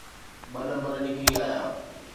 ٻه نمبر نڪري آيا.